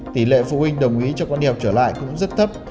tỉ lệ phụ huynh đồng ý cho con đi học trở lại cũng rất thấp